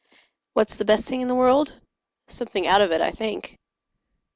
What's the best thing in the world? Something out of it, I think.